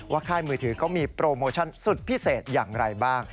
ค่ายมือถือเขามีโปรโมชั่นสุดพิเศษอย่างไรบ้าง